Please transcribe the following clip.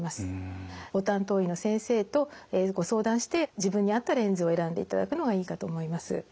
ご担当医の先生とご相談して自分に合ったレンズを選んでいただくのがいいかと思います。